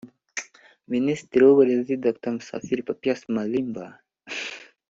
Minisitiri w’Uburezi Dr Musafiri Papias Malimba